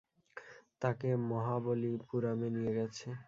তাকে মহাবলিপুরামে নিয়ে গেছে।